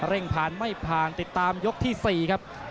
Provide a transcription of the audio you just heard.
ผ่านไม่ผ่านติดตามยกที่๔ครับ